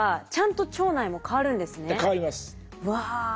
うわ。